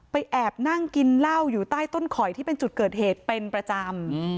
แอบนั่งกินเหล้าอยู่ใต้ต้นข่อยที่เป็นจุดเกิดเหตุเป็นประจำ